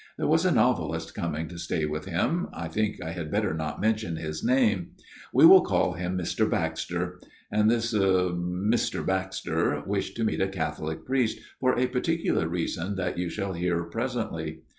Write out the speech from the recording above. There was a novelist coming to stay with him I think I had better not mention his name ; we will call him Mr. Baxter and this er Mr. Baxter wished to meet a Catholic priest for a particular reason that you shall hear presently.